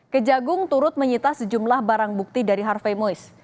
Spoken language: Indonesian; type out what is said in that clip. kejagung turut menyita sejumlah barang bukti dari harvey mois